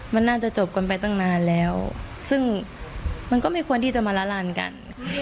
มันน่าจะจบกันไปตั้งนานแล้วซึ่งมันก็ไม่ควรที่จะมาละลันกัน